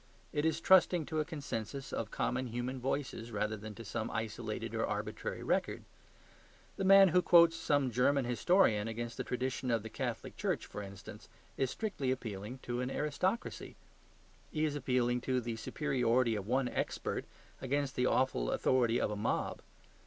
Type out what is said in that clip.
It is trusting to a consensus of common human voices rather than to some isolated or arbitrary record. The man who quotes some German historian against the tradition of the Catholic Church, for instance, is strictly appealing to aristocracy. He is appealing to the superiority of one expert against the awful authority of a mob.